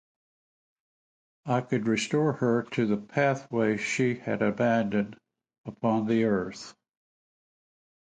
I could restore her to the pathway she had abandoned... upon the earth.